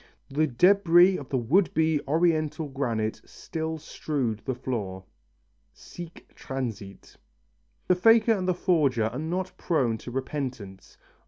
The debris of the would be Oriental granite still strewed the floor. "Sic transit " The faker and the forger are not prone to repentance.